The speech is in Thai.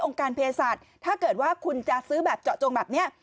การเพศสัตว์ถ้าเกิดว่าคุณจะซื้อแบบเจาะจงแบบนี้